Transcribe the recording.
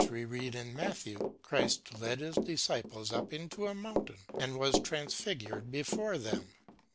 as we road in Matthew, Christ led his disciples up into a moun tain, and was transtipjured before them.'